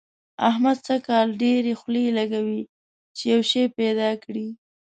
احمد سږ کال ډېرې خولې لګوي چي يو شی پيدا کړي.